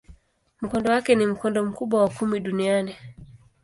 Mkondo wake ni mkondo mkubwa wa kumi duniani.